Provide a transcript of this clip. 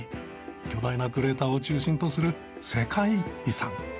巨大なクレーターを中心とする世界遺産。